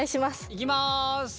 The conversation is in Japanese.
いきます。